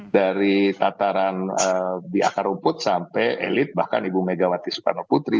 dari tataran di akar rumput sampai elit bahkan ibu megawati soekarno putri